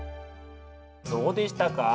どうでしたか？